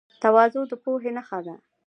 تواضع د پوهې نښه ده.